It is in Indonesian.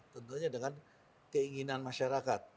tentunya dengan keinginan masyarakat